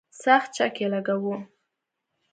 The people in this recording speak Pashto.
سخت چک یې لګاوه.